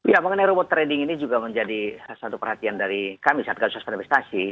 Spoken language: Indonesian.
ya mengenai robot trading ini juga menjadi satu perhatian dari kami saat gas pada investasi